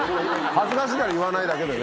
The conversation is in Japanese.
恥ずかしいから言わないだけでね。